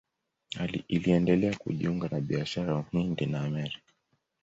Iliendelea kujiunga na biashara ya Uhindi na Amerika.